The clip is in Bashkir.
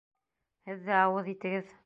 Һеҙ ҙә ауыҙ итегеҙ.